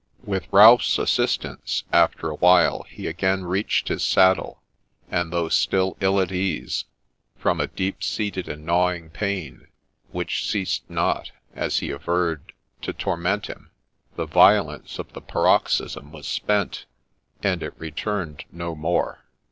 With Ralph's assistance, after a while, he again reached hia saddle ; and though still ill at ease, from a deep seated and gnawing pain, which ceased not, as he averred, to torment him, the violence of the paroxysm was spent, and it returned no more.